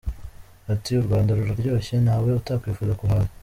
Ati" U Rwanda ruraryoshye, ntawe utakwifuza kuhaza".